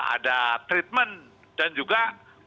ada treatment dan juga protokol kesehatan